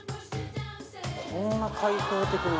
こんな開放的な。